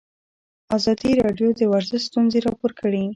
ازادي راډیو د ورزش ستونزې راپور کړي.